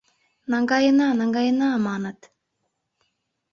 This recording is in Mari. «Наҥгаена, наҥгаена», — маныт.